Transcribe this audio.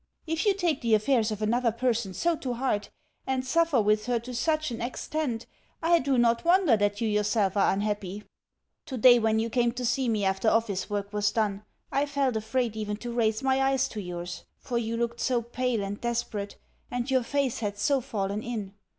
If you take the affairs of another person so to heart, and suffer with her to such an extent, I do not wonder that you yourself are unhappy. Today, when you came to see me after office work was done, I felt afraid even to raise my eyes to yours, for you looked so pale and desperate, and your face had so fallen in.